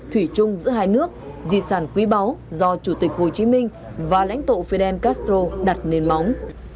thủy chung giữa hai nước di sản quý báu do chủ tịch hồ chí minh và lãnh tụ fidel castro đặt nền móng